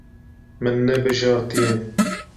Min nebijartiye.